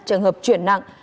trường hợp chuyển nặng